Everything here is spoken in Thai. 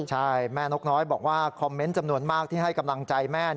ใช่แม่นกน้อยบอกว่าคอมเมนต์จำนวนมากที่ให้กำลังใจแม่